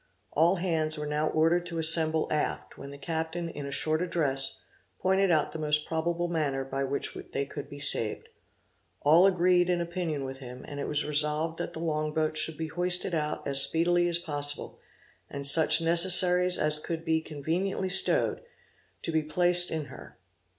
All hands were now ordered to assemble aft, when the captain in a short address, pointed out the most probable manner by which they could be saved. All agreed in opinion with him, and it was resolved that the long boat should be hoisted out as speedily as possible, and such necessaries as could be conveniently stowed, to be placed in her.